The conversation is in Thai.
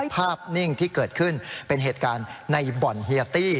นิ่งที่เกิดขึ้นเป็นเหตุการณ์ในบ่อนเฮียตี้